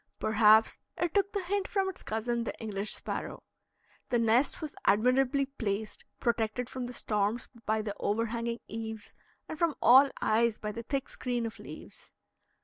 Perhaps it took the hint from its cousin, the English sparrow. The nest was admirably placed, protected from the storms by the overhanging eaves and from all eyes by the thick screen of leaves.